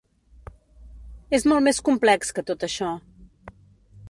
És molt més complex que tot això.